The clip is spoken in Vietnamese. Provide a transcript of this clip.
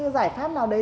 giải pháp nào đấy